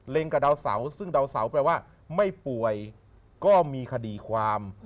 กับดาวเสาซึ่งดาวเสาแปลว่าไม่ป่วยก็มีคดีความ